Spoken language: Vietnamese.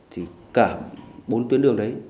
thì cả bốn tuyến đường đấy